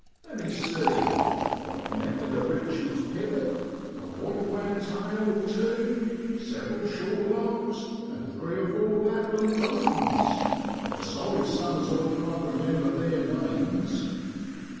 Lemme see, I've netted a Eichard's pipit, a white wagtail or tew, several shore larks, and three or four Lapland buntings, besides some as I can't remember theer names.